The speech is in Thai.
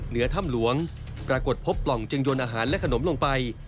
เหนือถ้ำหลวงปรากฏพบปล่องจึงยนอาหารและขนมลงไป